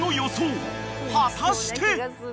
［果たして！］